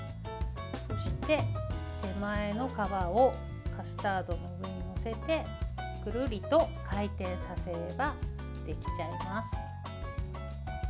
そして、手前の皮をカスタードの上に載せてくるりと回転させればできちゃいます。